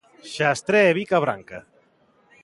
Xastré e bica branca.